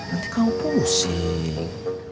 nanti kamu pusing